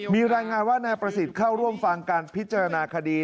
มีรายงานว่านายประสิทธิ์เข้าร่วมฟังการพิจารณาคดี